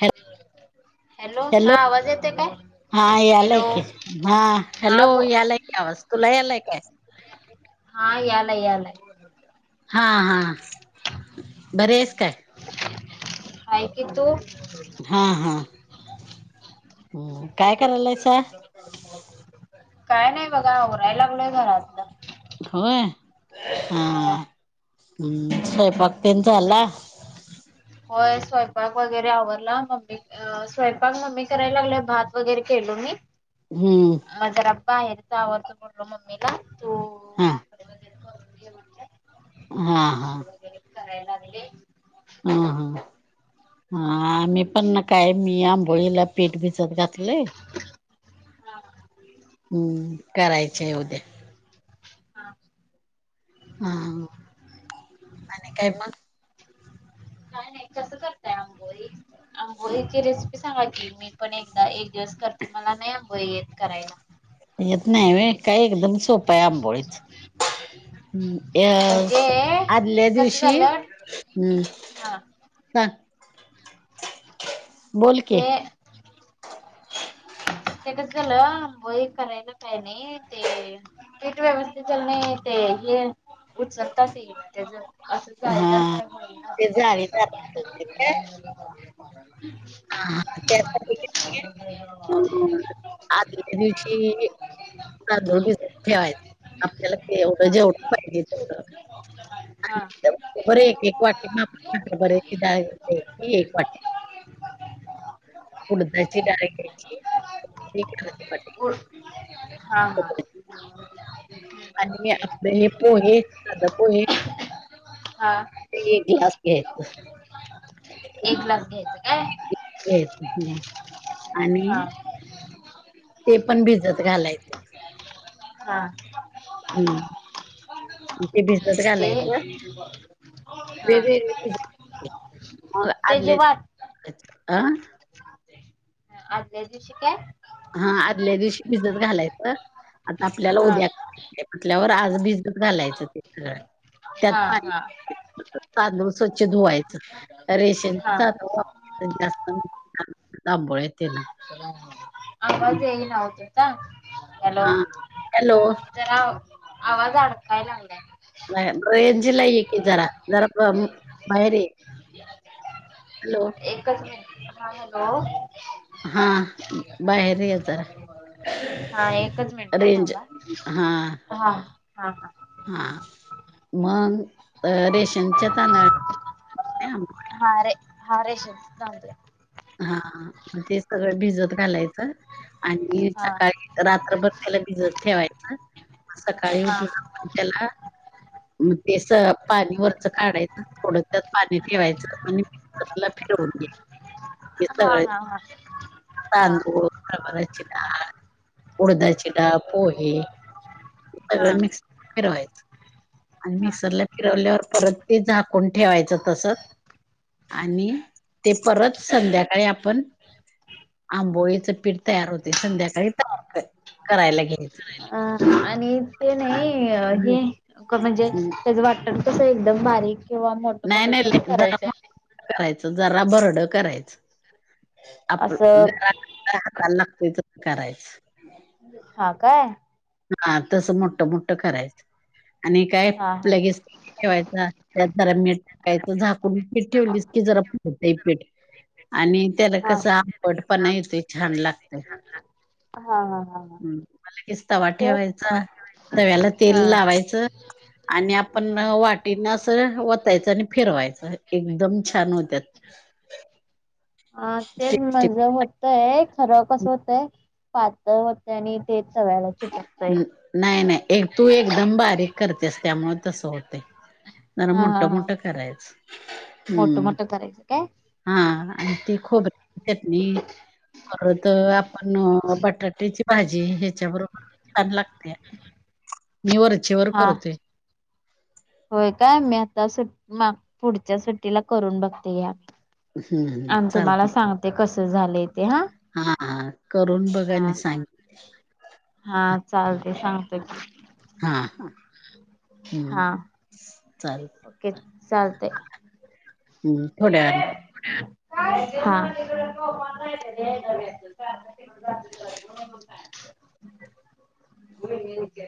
Hello. हा hello आवाज येतोय काय? हा याला हॅलो क हा हा हॅलो बो याला [unintelligible] हा याला यालाय. हा हा बरेच काय. काय की तु हा हा. हम्म काय करायलायचा. काय नाही बघा आवराय लागलोय घरात होय होय. स्वयंपाक तेन झाला. तुम- होय स्वयंपाक वगैरे आवरला मम्मी अ स्वयंपाक मम्मी करायला लागले भात वगैरे केलो मी हम्म. बाहेरचा आवरतो बोललो मम्मीला तू. हा [unintelligible] हा हा. [unintelligible] हम हा. हा आम्ही पण काय मी आंबोळीला पीठ भिजत घातले. हम्म करायच ये उद्या. हा. हा आणि काय मग? काय नाही कसं करतय आंबोई आंबोई. रेसिपी सांगा की मी पण एकदा एक दिवस करते मला नाही अबोळी येत करायला. येत नाही काय एकदम सोपा आहे आंबोळीच. म्हणजे ह् अदिल्या कसं दिवशी. झालं हा. सांग. बोल की ते ते कसं झालं व हे करायला नाही ते नीट व्यवस्थित नाही ते हे उचलताच येइना त्याच असं हा लत का ते जाळी म्ह काय [unintelligible] हा त्यासाठी कणी आदल्या दिवशी तांदूळी भिजत ठेवायचं आपल्याला ते एवढं हा जेवढ पाहिजे तेवढ. हा. बरे एक एक वाटे मा बरे एक वाट्या [inaudible] उडदाची डाळ घ्यायची [inaudible] हा हा खोबऱ्याची. आणि आपलं हे पोहे साध पोहे हा ते एक ग्लास घ्यायचं, एक हम ग्लास घ्यायचं काय [inaudible] [inaudible] आणि हा ते पण भिजत घालायचे हा हम्, ते भिजत ते घालायचं. हा वेगळेगळे [inaudible] मग त्याची आदल्या वाट ह. आदल्या दिवशी काय हा आदल्या दिवशी भिजत घालायचं, आता आपल्याला हा उद्या टल्यावर आज भिजत घालायचं ते सगळं, त्यात हा हा पाणी तांदूळ स्वच्छ धुवायचं रेशनच हा तांदूळ वापर जास्त तांबोळेते ना [inaudible] आवाज येई नव्हत हॅलो हां हॅलो जरा आवाज अडकाय लागलंय नाय, रेंज ला एकी जरा, जरप हॅलो एकच मि हा हॅलो हा बाहेर ये जरा एक मिनिटं रेंज थांबा हा ह ह हा मग रेशनच्या तादळ हा रे हा रेशनच तांदूळ हा हा ते सगळं भिजत घालायचं आणि हा सकाळी रात्रभर त्याला भिजत ठेवायचं मग सकाळी हा उठून आपण त्याला त्याला पाणीवरचं काढायचं थोडं त्यात पाणी ठेवायचं आणि [inaudible] फिरवून घेत हे हा सगळे हा हा हा तांदूळ हरभराची डाळ उडदाची डाळ पोहे हा सगळं मिक्स फिरवायच. आणि हा मिक्सरला फिरवल्यावर परत ते झाकून ठेवायचं तसंच. आणि ते परत संध्याकाळी आपण आंबोळीचं पीठ तयार होते संध्याकाळी तयार करायला घ्या अ आणि ते नाही हे क म्हणजे त्याज वाटन कसं एकदम बारीक किंवा मोठं नाही मोठं नाही कसं ले- जरा करायचंय मोठ करायचं जरा बरड करायचं आप असं जरा हाताला लागतोय त करायच हा काय हा तसं मोठं मोठं करायचं आणि काय हा हा लगेच ठेवायचा त्यात जरा मीठ टाकायच झाकून पीठ ठेवलीस की जरा फुगतय पीठ आणि त्याला हा कस आबंट पणा येते. छान लागत. हा हा हा हा. तवा तेच ठेवायचा. तव्याला तेल हा लावायच. आणि आपण हा पाठींन अस ओतायचं आणि फिरवायचं. एकदम छान होत्या. अ तेच. टेस्टी म्हणल होत एक. खर कसं होतय. पातळ होत आणि ते चवयला नाय नाय. एक तू एकदम बारीक करतेस. त्यामुळ तसं होतय. जरा हा हा मोठं हा मोठं करायच. मोठं मोठं करायच काय? हा आणि ती खोबऱ्याची चटणी. परत. आपण बटाट्याची भाजी. ह्याच्या बरोबर छान लागतेया. मी वरचेवर हा करतोय. होय काय? मी आता सुट म पुढच्या सुट्टीला करून बघते या. हम्म अन, तुम्हाला चालते सांगते. कस झालं ते. हा. हा हा. करून बघान हा सांगे हा चालते. सांगत की. हा हा हम्म. हा चाल. ओके. चालतय. हम्म थोड्यावेळान. [inaudible] [unintelligible] होक [unintelligible]